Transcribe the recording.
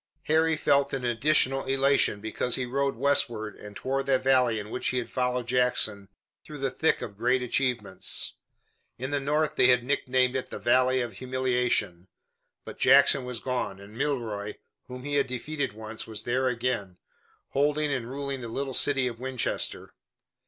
Harry felt an additional elation because he rode westward and toward that valley in which he had followed Jackson through the thick of great achievements. In the North they had nicknamed it "The Valley of Humiliation," but Jackson was gone, and Milroy, whom he had defeated once, was there again, holding and ruling the little city of Winchester.